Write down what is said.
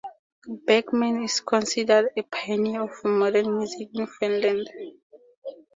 Bergman is considered a pioneer of modern music in Finland.